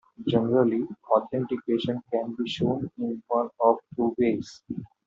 Generally, authentication can be shown in one of two ways.